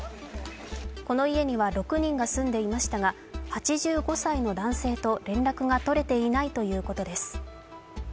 この家には６人が住んでいましたが８５歳の男性と連絡が取れていないということです。